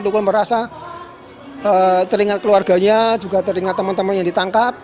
tukul merasa teringat keluarganya juga teringat teman teman yang ditangkap